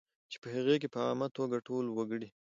چې په هغې کې په عامه توګه ټول وګړي